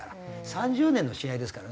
３０年の試合ですからね